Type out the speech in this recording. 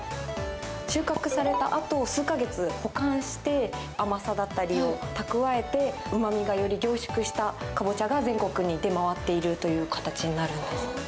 収穫されたあと数か月保管して甘さだったりを蓄えてうま味がより凝縮したカボチャが全国に出回っているという形になるんです。